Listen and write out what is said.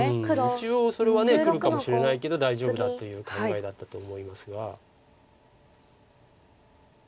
一応それはくるかもしれないけど大丈夫だという考えだったと思いますが。